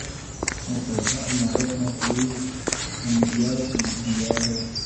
متحدہ امارات نے کوئی عندیہ دیا ہے۔